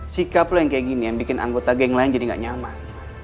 sikaplah yang kayak gini yang bikin anggota geng lain jadi gak nyaman